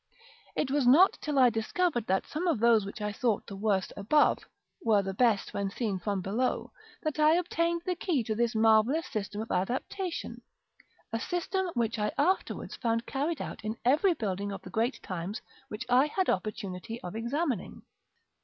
It was not till I discovered that some of those which I thought the worst above, were the best when seen from below, that I obtained the key to this marvellous system of adaptation; a system which I afterwards found carried out in every building of the great times which I had opportunity of examining.